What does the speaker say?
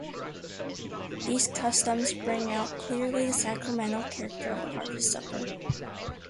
These customs bring out clearly the sacramental character of the harvest-supper.